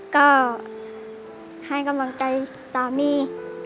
ก็ให้กำลังใจสามี